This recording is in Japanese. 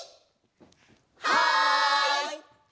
はい！